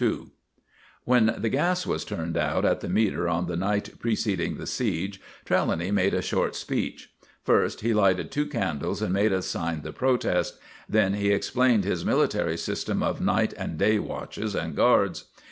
II When the gas was turned out at the meter on the night preceding the siege, Trelawny made a short speech. First he lighted two candles and made us sign the protest; then he explained his military system of night and day watches and guards.